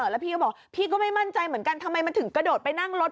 แล้วพี่ก็บอกพี่ก็ไม่มั่นใจเหมือนกันทำไมมันถึงกระโดดไปนั่งรถ